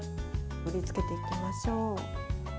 盛りつけていきましょう。